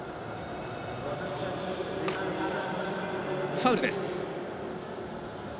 ファウルです。